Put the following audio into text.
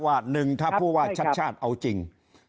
ว่า๑ถ้าพูดว่าชัดเอาจริง